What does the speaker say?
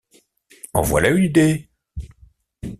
En voilà, une idée!